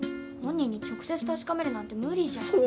本人に直接確かめるなんて無理じゃん。